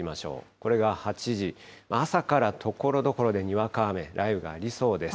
これが８時、朝からところどころでにわか雨、雷雨がありそうです。